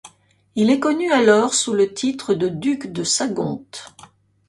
Il est connu alors sous le titre de duc de Sagonte.